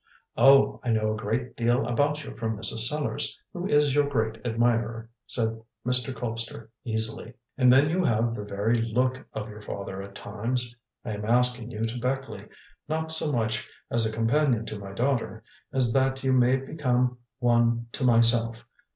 "Oh, I know a great deal about you from Mrs. Sellars, who is your great admirer," said Mr. Colpster easily. "And then you have the very look of your father at times. I am asking you to Beckleigh, not so much as a companion to my daughter, as that you may become one to myself.